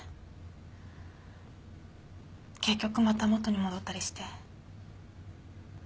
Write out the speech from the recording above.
結局また元に戻ったりして。